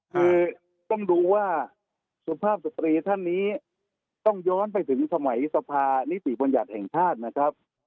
คือต้องดูว่าสุภาพสตรีท่านนี้ต้องย้อนไปถึงสมัยสภานิติบัญญัติแห่งชาตินะครับ